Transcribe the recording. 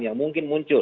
yang mungkin muncul